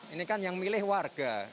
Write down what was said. ini kan yang milih warga